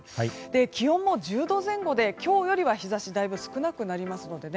気温も１０度前後で今日より日差しがだいぶ少なくなりますのでね。